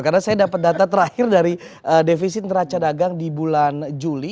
karena saya dapat data terakhir dari defisit neraca dagang di bulan juli